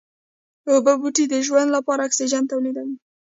اوبو بوټي د ژوند لپاره اکسيجن توليدوي